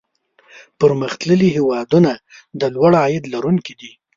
پرمختللي هېوادونه د لوړ عاید لرونکي دي.